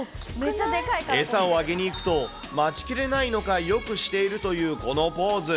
餌をあげに行くと、待ちきれないのか、よくしているというこのポーズ。